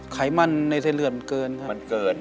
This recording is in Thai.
ไขมันในเทศเลือดมันเกินครับ